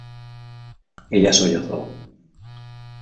ella sollozó: